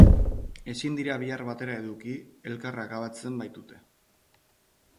Ezin dira bi ar batera eduki elkar akabatzen baitute.